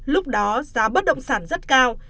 lúc đó giá bất động sản rất cao